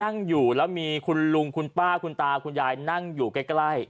นั่งอยู่แล้วมีคุณลุงคุณป้าคุณตาคุณยายนั่งอยู่ใกล้